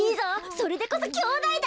それでこそきょうだいだ！